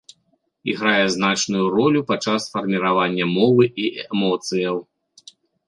Іграе значную ролю падчас фарміравання мовы і эмоцыяў.